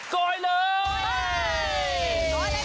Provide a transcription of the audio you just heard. ได้หรือยัง